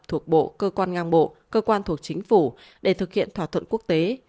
thuộc bộ cơ quan ngang bộ cơ quan thuộc chính phủ để thực hiện thỏa thuận quốc tế